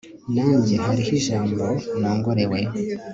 nanjye, hariho ijambo nongorewe